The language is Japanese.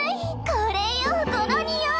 これよこの匂い！